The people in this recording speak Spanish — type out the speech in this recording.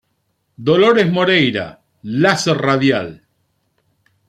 Dolores Moreira, láser radial.